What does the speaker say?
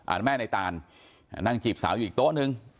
แม่ในตานอ่านั่งจีบสาวอยู่อีกโต๊ะนึง